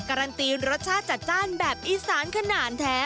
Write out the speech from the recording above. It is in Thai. การันตีรสชาติจัดจ้านแบบอีสานขนาดแท้